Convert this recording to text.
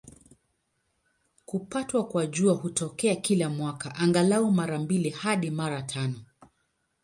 Kupatwa kwa Jua hutokea kila mwaka, angalau mara mbili hadi mara tano.